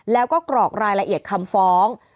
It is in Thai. แล้วก็กรอกรายละเอียดคำฟ้อง